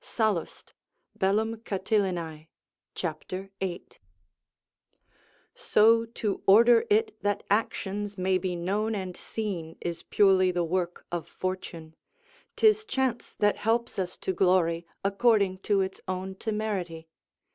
Sallust, Catilina, c. 8.] So to order it that actions may be known and seen is purely the work of fortune; 'tis chance that helps us to glory, according to its own temerity.